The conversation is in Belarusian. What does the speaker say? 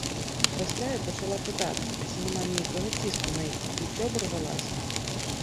Пасля я пачала пытацца, ці няма нейкага ціску на іх і ўсё абарвалася.